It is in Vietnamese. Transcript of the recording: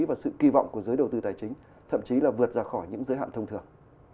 và sự kỳ vọng của giới đầu tư tài chính thậm chí là vượt ra khỏi những giới hạn thông thường